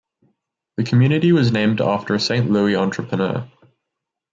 The community was named after a Saint Louis entrepreneur.